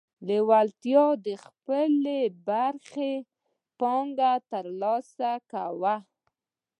لېوالتیا د خپلې برخې پانګه ترلاسه کړې وه.